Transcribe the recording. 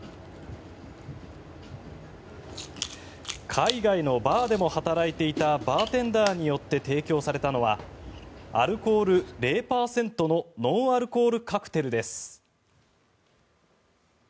海外のバーでも働いていたバーテンダーによって提供されたのはアルコール０％のノンアルコールカクテルです。